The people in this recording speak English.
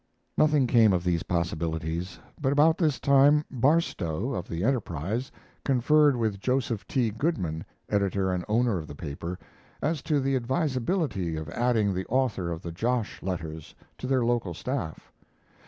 Nothing came of these possibilities, but about this time Barstow, of the Enterprise, conferred with Joseph T. Goodman, editor and owner of the paper, as to the advisability of adding the author of the "Josh" letters to their local staff.